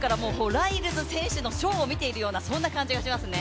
ライルズ選手のショーを見ているようなそんな感じがしますね。